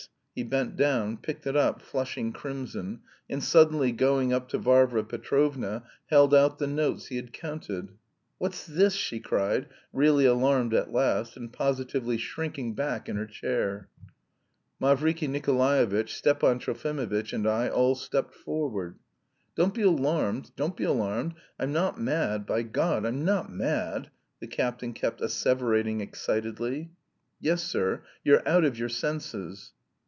He bent down, picked it up, flushing crimson, and suddenly going up to Varvara Petrovna held out the notes he had counted. "What's this?" she cried, really alarmed at last, and positively shrinking back in her chair. Mavriky Nikolaevitch, Stepan Trofimovitch, and I all stepped forward. "Don't be alarmed, don't be alarmed; I'm not mad, by God, I'm not mad," the captain kept asseverating excitedly. "Yes, sir, you're out of your senses."